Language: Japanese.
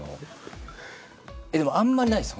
でもあんまりないです